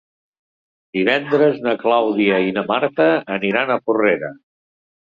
Divendres na Clàudia i na Marta aniran a Porrera.